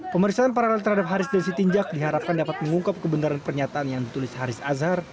pemeriksaan paralel terhadap haris dan sitinjak diharapkan dapat mengungkap kebenaran pernyataan yang ditulis haris azhar